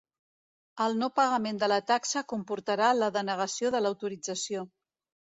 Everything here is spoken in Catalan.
El no pagament de la taxa comportarà la denegació de l'autorització.